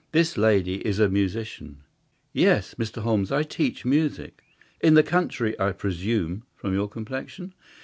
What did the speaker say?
This lady is a musician." "Yes, Mr. Holmes, I teach music." "In the country, I presume, from your complexion."